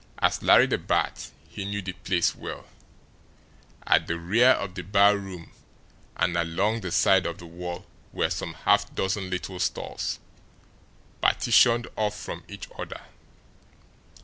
As Larry the Bat, he knew the place well. At the rear of the barroom and along the side of the wall were some half dozen little stalls, partitioned off from each other.